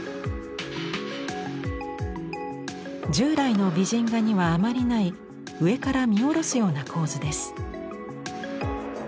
従来の美人画にはあまりない上から見下ろすような構図です。